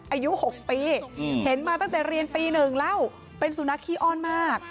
อายุ๖ปีเห็นมาตั้งแต่เรียนปี๑แล้วเป็นสุนัขขี้อ้อนมาก